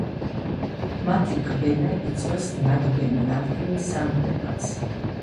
მათი კბენა იწვევს ნაკბენი ადგილის ანთებას.